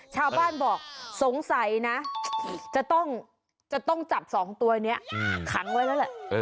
ชาวบ้านบอกสงสัยนะจะต้องจับ๒ตัวนี้ขังไว้แล้วแหละ